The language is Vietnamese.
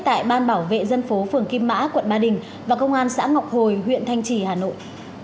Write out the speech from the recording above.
tại ban bảo vệ dân phố phường kim mã quận ba đình và công an xã ngọc hồi huyện thanh trì hà nội